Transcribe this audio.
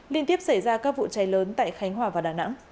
liên tiếp xảy ra các vụ cháy lớn tại khánh hòa và đà nẵng